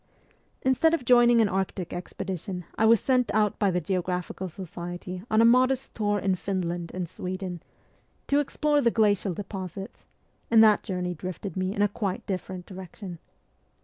Instead of joining an Arctic expedition I was sent out by the Geographical Society on a modest tour in Finland and Sweden, to explore the glacial deposits ; and that journey drifted me in a quite different direction.